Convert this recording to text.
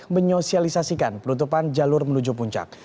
menyosialisasikan penutupan jalur menuju puncak